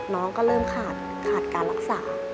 น้องก็เริ่มขาดการรักษา